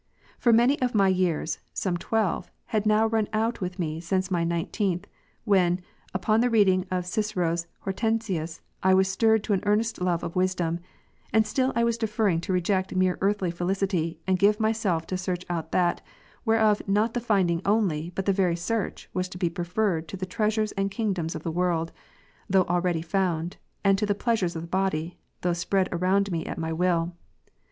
For many of my years (some twelve) had now run out with me since my nineteenth, when, upon the reading of Cicero's Hortensius', I was stirred to an earnest love of wisdom ; and still I was deferring to reject mere earthly felicity, and give myself to search out that, whereof not the finding only, but the very search, was to be preferred to the treasures and kingdoms of the world, though already found, and to the pleasures of the body, though spread around me at my will.